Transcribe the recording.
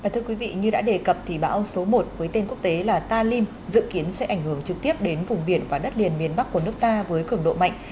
thưa quý vị như đã đề cập thì bão số một với tên quốc tế là ta lim dự kiến sẽ ảnh hưởng trực tiếp đến vùng biển và đất liền miền bắc của nước ta với cường độ mạnh